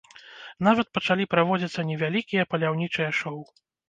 Нават пачалі праводзіцца невялікія паляўнічыя шоу.